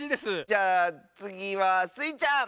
じゃあつぎはスイちゃん！